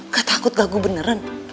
gak takut gaku beneran